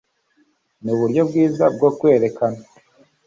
ni uburyo bwiza bwo kwerekana